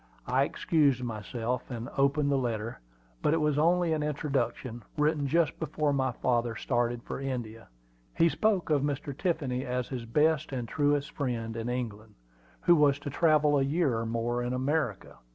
I excused myself, and opened the letter; but it was only an introduction, written just before my father started for India. He spoke of Mr. Tiffany as his best and truest friend in England, who was to travel a year or more in America.